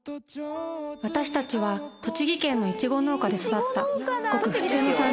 私たちは栃木県のイチゴ農家で育ったごく普通の三姉妹